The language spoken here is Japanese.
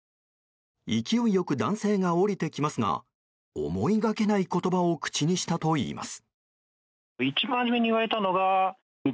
勢いよく男性が降りてきますが思いがけない言葉を口にしたといいます。